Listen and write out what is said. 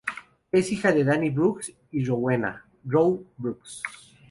Es hija de Danny Brooks y Rowena "Roe" Brooks.